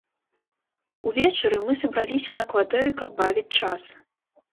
Увечары мы сабраліся на кватэры, каб бавіць час.